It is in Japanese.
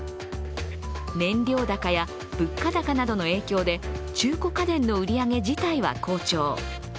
燃料高や物価高の影響で中古家電の売り上げ自体は好調。